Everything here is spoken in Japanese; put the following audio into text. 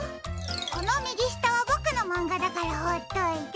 このみぎしたはボクのまんがだからほっといて。